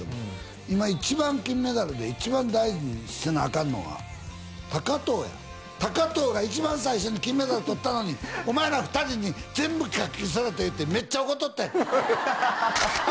今一番金メダルで一番大事にせなあかんのが藤や藤が一番最初に金メダルとったのにお前ら２人に全部かき消されたってメッチャ怒っとったよ！